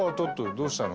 どうしたの？